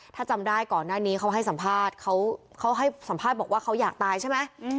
ถ้าจำได้ก่อนหน้านี้เขาให้สัมภาษณ์เขาให้สัมภาษณ์บอกว่าเขาอยากตายใช่ไหม